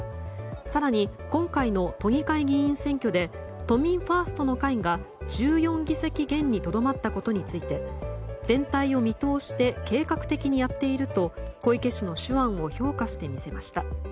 更に今回の都議会議員選挙で都民ファーストの会が１４議席減にとどまったことについて全体を見通して計画的にやっていると小池氏の手腕を評価して見せました。